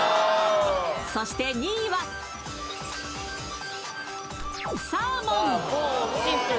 そして２位はサーモン。